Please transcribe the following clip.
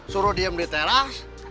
suruh diam di teras